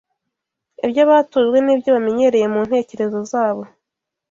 ibyo batojwe n’ibyo bamenyereye mu ntekerezo zabo